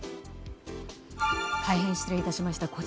大変失礼致しました。